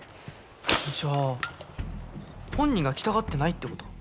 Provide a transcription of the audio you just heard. じゃあ本人が来たがってないってこと？